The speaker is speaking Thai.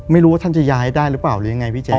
ไม่รู้ว่าท่านจะย้ายได้หรือเปล่าหรือยังไงพี่แจ๊